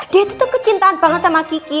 dia itu tuh kecintaan banget sama kiki